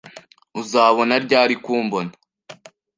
Uzabona ryari kumbona?